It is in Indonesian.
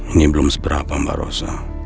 ini belum seberapa mbak rosa